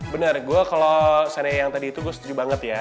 benar gue kalau sanya yang tadi itu setuju banget ya